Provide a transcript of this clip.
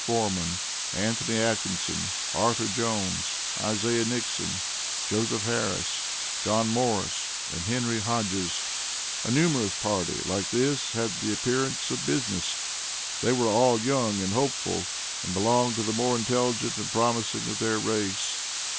Forman, Anthony Atkinson, Arthur Jones, Isaiah Nixon, Joseph Harris, John Morris, and Henry Hodges. A numerous party like this had the appearance of business. They were all young and hopeful, and belonged to the more intelligent and promising of their race.